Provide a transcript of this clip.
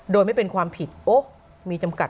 โดยไม่เป็นความผิดโอ๊คมีจำกัด